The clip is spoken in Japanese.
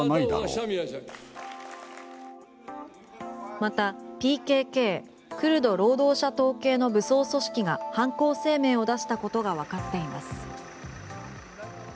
またＰＫＫクルド労働者党系の武装組織が犯行声明を出したことがわかっています。